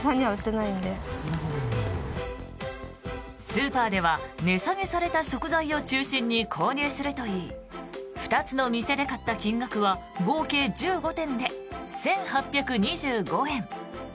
スーパーでは値下げされた食材を中心に購入するといい２つの店で買った金額は合計１５点で１８２５円。